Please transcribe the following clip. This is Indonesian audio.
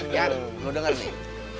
iyan lo denger nih